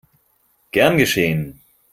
Gern geschehen!